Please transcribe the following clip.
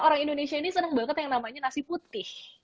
orang indonesia ini senang banget yang namanya nasi putih